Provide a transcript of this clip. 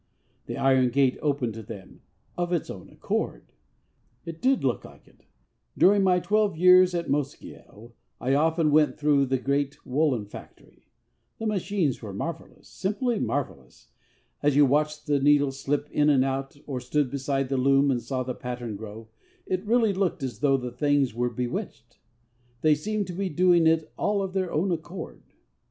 'The iron gate opened to them of its own accord.' It did look like it. During my twelve years at Mosgiel, I often went through the great woollen factory. The machines were marvellous simply marvellous. As you watched the needles slip in and out, or stood beside the loom and saw the pattern grow, it really looked as though the things were bewitched. They seemed to be doing it all 'of their own accord.'